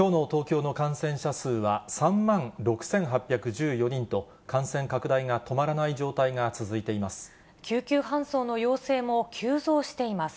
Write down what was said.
きょうの東京の感染者数は３万６８１４人と、感染拡大が止まらない状態が続いています。